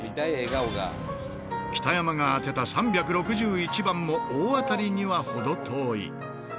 北山が当てた３６１番も大当たりには程遠い。